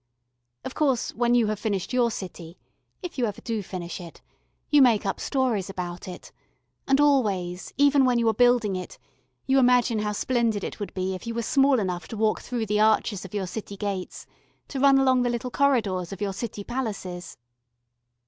Of course, when you have finished your city, if you ever do finish it, you make up stories about it, and always, even when you are building it, you imagine how splendid it would be if you were small enough to walk through the arches of your city gates, to run along the little corridors of your city palaces.